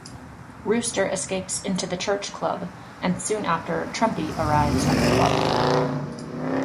Rooster escapes into the Church club, and soon after Trumpy arrives at the club.